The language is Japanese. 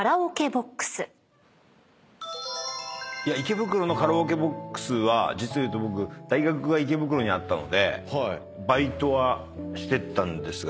池袋のカラオケボックスは実を言うと僕大学が池袋にあったのでバイトはしてたんですが。